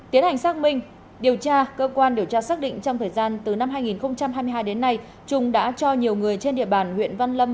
tiến hành xác minh điều tra cơ quan điều tra xác định trong thời gian từ năm hai nghìn hai mươi hai đến nay trung đã cho nhiều người trên địa bàn huyện văn lâm